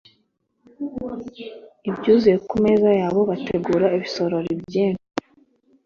ibyuzuye ku meza yabo Bategura ibisorori byinshi